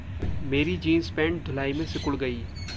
मेरी jeans pant धुलाई में सिकुड़ गई।